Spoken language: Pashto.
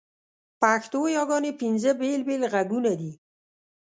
پښتو یاګاني پینځه بېل بېل ږغونه دي.